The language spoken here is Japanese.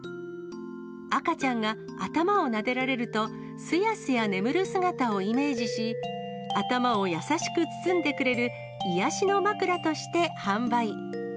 赤ちゃんが頭をなでられるとすやすや眠る姿をイメージし、頭を優しく包んでくれる癒やしの枕として販売。